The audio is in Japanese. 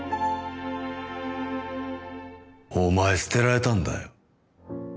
お前捨てられたんだよ。